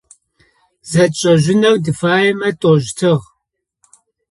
Зытшӏэжьынэу тыфаемэ тӏощтыгъ.